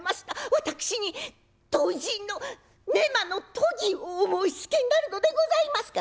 私に唐人の寝間の伽をお申しつけになるのでございますか」。